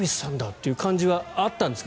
という感じはあったんですか